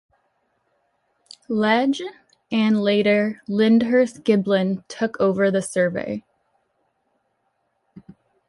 Legge and, later, Lyndhurst Giblin took over the survey.